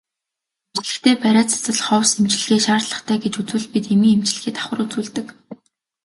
Эмчлэхдээ бариа засал ховс эмчилгээ шаардлагатай гэж үзвэл бид эмийн эмчилгээ давхар үзүүлдэг.